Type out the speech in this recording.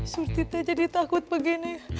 suritita jadi takut begini